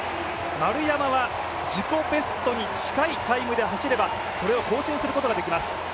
丸山は自己ベストに高いタイムで走れば、それに近い得点が期待できます。